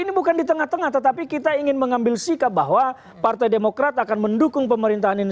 ini bukan di tengah tengah tetapi kita ingin mengambil sikap bahwa partai demokrat akan mendukung pemerintahan ini